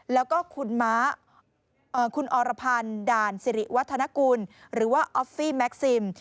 แล้วก็คุณม้าคุณอรพันธ์ด่านสิริวัฒนกุลหรือว่าออฟฟี่แม็กซิม